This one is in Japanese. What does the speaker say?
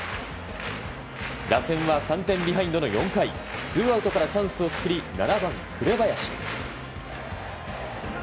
打線は３点ビハインドの４回ツーアウトからチャンスを作り７番、紅林。